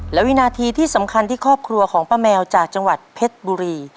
และวินาทีที่สำคัญที่ครอบครัวของป้าแมวจากจังหวัดเพชรบุรี